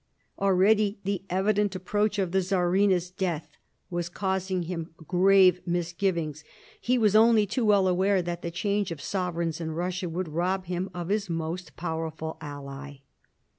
Already the evident approach of the Czarina's death was causing him grave misgivings ; he was only too well aware that the change of sovereigns in Kussia would rob him of his most powerful ally.